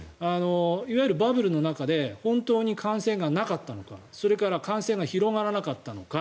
いわゆる、バブルの中で本当に感染がなかったのかそれから感染が広がらなかったのか。